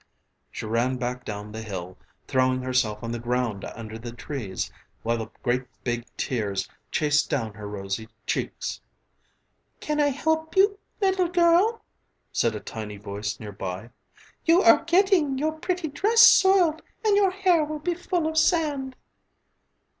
She ran back down the hill, throwing herself on the ground under the trees while the great big tears chased down her rosy cheeks. "Can I help you, little girl?" said a tiny voice near by, "you are getting your pretty dress soiled and your hair will be full of sand."